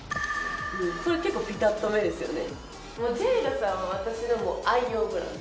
これ結構ピタッとめですよね。